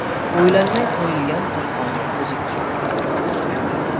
• O‘ylanmay qo‘yilgan qopqonga o‘zing tushasan.